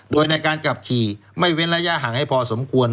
โดยในการขับขี่ไม่เว้นระยะห่างให้พอสมควร